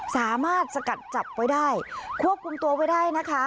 สามารถสกัดจับไว้ได้ควบคุมตัวไว้ได้นะคะ